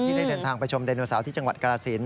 ได้เดินทางไปชมไดโนเสาร์ที่จังหวัดกรสิน